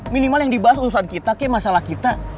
minimal yang dibahas urusan kita ke masalah kita